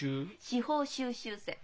司法修習生。